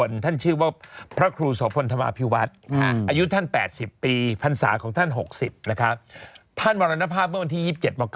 สนุนโดยอีซูซูดีแมคบลูพาวเวอร์นวัตกรรมเปลี่ยนโลก